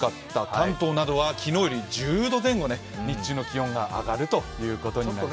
関東などは昨日より１０度前後日中の気温が上がるということになります。